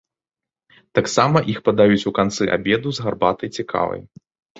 Таксама іх падаюць у канцы абеду з гарбатай ці кавай.